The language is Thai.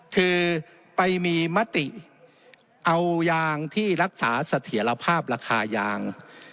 คือไปมีมติเอายางที่รักษาเสถียรภาพราคายาง